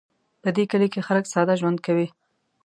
په دې کلي کې خلک ساده ژوند کوي